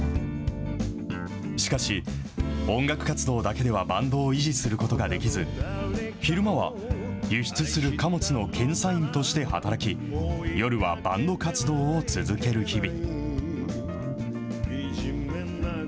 しかし、音楽活動だけではバンドを維持することができず、昼間は輸出する貨物の検査員として働き、夜はバンド活動を続ける日々。